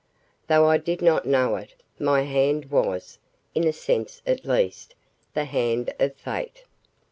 Though I did not know it, my hand was, in a sense at least, the hand of fate.